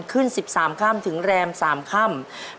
ขึ้นสิบสามคำถึงแรมสามคำ